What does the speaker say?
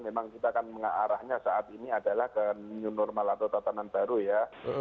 memang kita akan mengarahnya saat ini adalah ke new normal atau tatanan baru ya